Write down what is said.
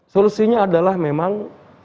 solusinya adalah memang